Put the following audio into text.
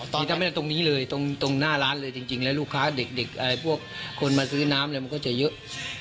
ตอนนี้ถ้าไม่ได้ตรงนี้เลยตรงหน้าร้านเลยจริงแล้วลูกค้าเด็กอะไรพวกคนมาซื้อน้ำอะไรมันก็จะเยอะ